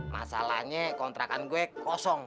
masalahnya kontrakan gue kosong